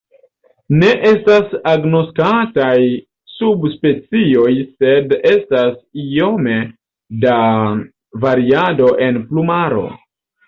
Ne estas agnoskataj subspecioj sed estas iome da variado en plumaro.